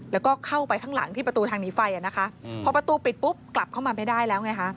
แล้วก็เข้าไปข้างหลังที่ประตูทางหนีไฟอ่ะนะคะพอประตูปิดปุ๊บกลับเข้ามาไม่ได้แล้วไงคะ